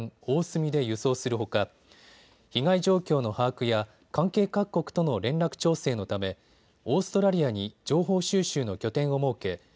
おおすみで輸送するほか被害状況の把握や関係各国との連絡調整のためオーストラリアに情報収集の拠点を設け